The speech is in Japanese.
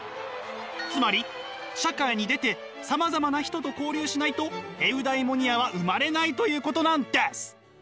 つまり社会に出てさまざまな人と交流しないとエウダイモニアは生まれないということなんです。